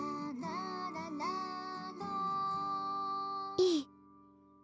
いい。